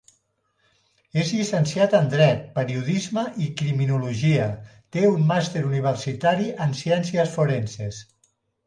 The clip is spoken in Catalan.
És llicenciat en dret, periodisme i criminologia, té un màster Universitari en Ciències Forenses.